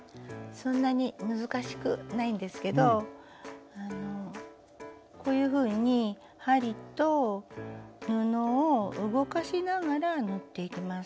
そんなに難しくないんですけどこういうふうに針と布を動かしながら縫っていきます。